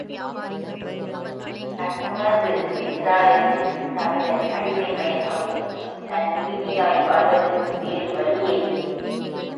தன்னுணர்வு பெற்றாலன்றித் தமிழன் அடிமை மயக்கம் நீங்கித் தன்னுரிமையாய் வாழ்வதற்கு வேறு வழியேது?